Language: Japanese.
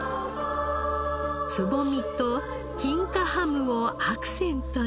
つぼみと金華ハムをアクセントに。